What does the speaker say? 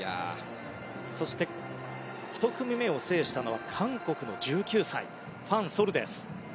そして１組目を制したのは韓国の１９歳ファン・ソヌです。